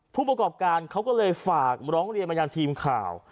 ผู้ประกอบการเขาก็เลยฝากร้องเรียนมายังทีมข่าว